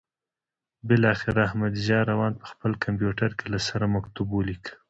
بالاخره احمدضیاء روان په خپل کمپیوټر کې له سره مکتوب ولیکه.